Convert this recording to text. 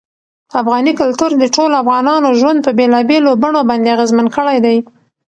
افغاني کلتور د ټولو افغانانو ژوند په بېلابېلو بڼو باندې اغېزمن کړی دی.